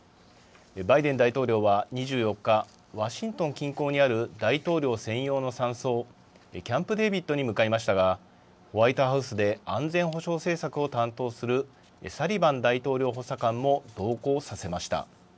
バイデン大統領は２４日、ワシントン近郊にある大統領専用の山荘、キャンプ・デービッドに向かいましたが、ホワイトハウスで安全保障政策を担当するサリバン大統領補佐官も同行させました。